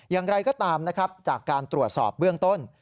อย่างไรก็ตามนะครับจากการตรวจสอบเบื้องต้น